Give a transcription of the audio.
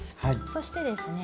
そしてですね